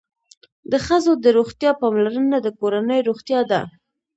د ښځو د روغتیا پاملرنه د کورنۍ روغتیا ده.